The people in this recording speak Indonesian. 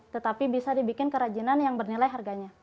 tetapi bisa dibikin kerajinan yang bernilai harganya